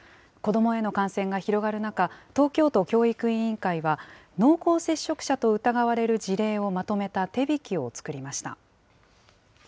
子どもへの感染が広がる中、東京都教育委員会は、濃厚接触者と疑われる事例をまとめた手引きを作りました。